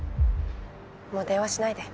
もう電話しないで。